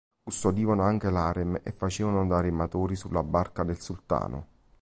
Custodivano anche l'harem e facevano da rematori sulla barca del sultano.